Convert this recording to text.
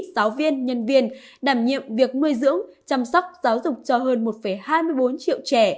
giáo viên nhân viên đảm nhiệm việc nuôi dưỡng chăm sóc giáo dục cho hơn một hai mươi bốn triệu trẻ